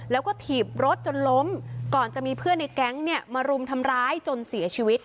แล้วก็ถีบรถจนล้มก่อนจะมีเพื่อนในแก๊งเนี่ยมารุมทำร้ายจนเสียชีวิต